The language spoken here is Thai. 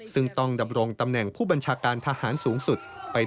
ซึ่งต้องดำรงตำแหน่งผู้บัญชาการทหารสูงสุด